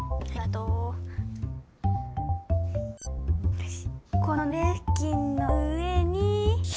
よし。